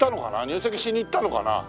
入籍しに行ったのかな？